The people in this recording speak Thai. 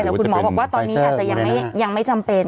แต่คุณหมอบอกว่าตอนนี้อาจจะยังไม่จำเป็น